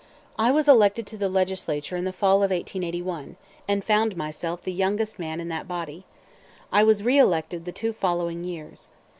I was elected to the Legislature in the fall of 1881, and found myself the youngest man in that body. I was reelected the two following years.